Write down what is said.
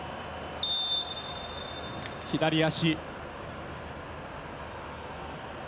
左足。